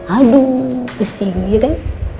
aduh pusing iya kan